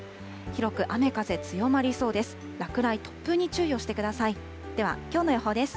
広く雨、風強まりそうです。